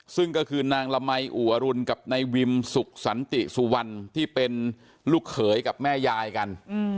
ซึ่งก็คือนางละมัยอู่อรุณกับนายวิมสุขสันติสุวรรณที่เป็นลูกเขยกับแม่ยายกัน